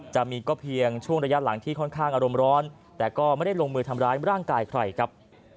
จะมีก็เพียงช่วงระยะหลังที่ค่อนข้างอารมณ์ร้อนแต่ก็ไม่ได้ลงมือทำร้ายร่างกายใครครับ